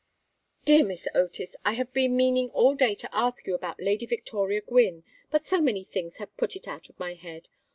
"Dear Miss Otis! I have been meaning all day to ask you about Lady Victoria Gwynne, but so many things have put it out of my head.